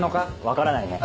分からないね。